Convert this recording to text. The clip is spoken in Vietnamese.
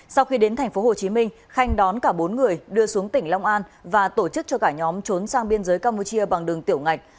sau khi đến tp hcm khanh đón cả bốn người đưa xuống tỉnh long an và tổ chức cho cả nhóm trốn sang biên giới campuchia bằng đường tiểu ngạch